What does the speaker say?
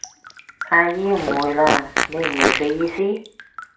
阿姨誤會喇，你唔明佢意思？